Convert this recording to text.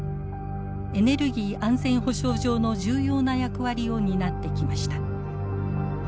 エネルギー安全保障上の重要な役割を担ってきました。